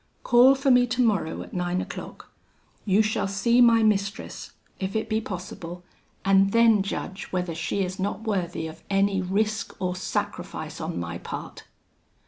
Call for me tomorrow at nine o'clock: you shall see my mistress, if it be possible, and then judge whether she is not worthy of any risk or sacrifice on my part.'